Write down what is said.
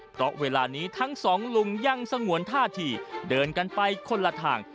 เพราะเวลานี้ทั้งสองลุงยังสงวนท่าทีเดินกันไปคนละทาง